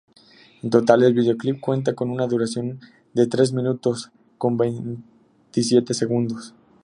En total, el videoclip cuenta con una duración de tres minutos con veintisiete segundos.